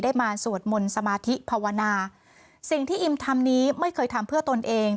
มาสวดมนต์สมาธิภาวนาสิ่งที่อิมทำนี้ไม่เคยทำเพื่อตนเอง